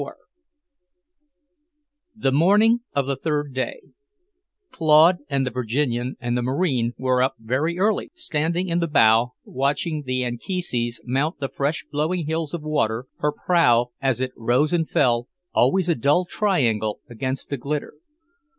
IV The morning of the third day; Claude and the Virginian and the Marine were up very early, standing in the bow, watching the Anchises mount the fresh blowing hills of water, her prow, as it rose and fell, always a dull triangle against the glitter.